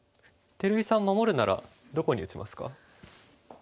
照井さん守るならどこに打ちますか？